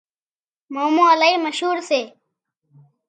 مامو الهي مشهور سي